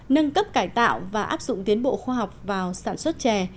nâng cấp cải tạo và áp dụng tiến bộ khoa học vào sản xuất chè